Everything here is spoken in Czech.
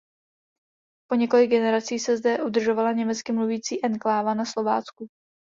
Po několik generací se zde udržovala německy mluvící enkláva na Slovácku.